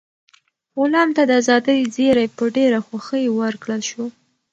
غلام ته د ازادۍ زېری په ډېره خوښۍ ورکړل شو.